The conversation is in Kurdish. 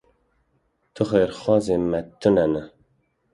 Tu xêrxwazê me tune ne.